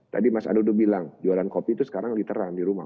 tadi mas adodu bilang jualan kopi itu sekarang literan di rumah